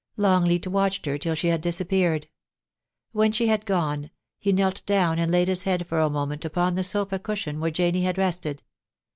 Longleat watched her till she had disappeared. When she had gone, he knelt down and laid his head for a moment upon the sofa cushion where Janie had rested.